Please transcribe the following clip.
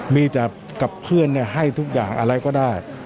มีแต่กับเพื่อนให้ทุกอย่างอะไรก็ได้